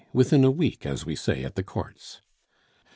Within a week, as we say at the courts?"